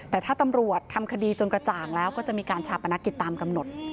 แต่ถ้าตำรวจทำคดีจนกระจ่างแล้วก็จะมีการชาปนกิจตามกำหนด